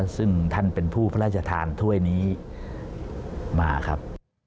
ซึ่งท่านเป็นผู้พระราชทานถ้วยนี้มาครับ